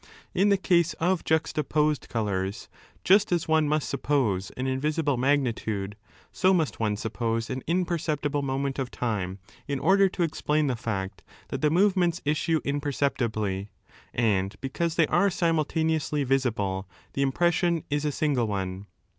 In the case of juxtaposed 16 colours, just as one must suppose an invisible magnitude, so must one suppose an imperceptible moment of time, in order to explain the fact that the movements issue imperceptibly, and because they are simultaneously visible the impression is a single one.